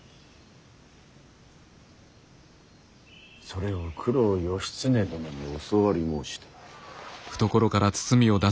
それを九郎義経殿に教わり申した。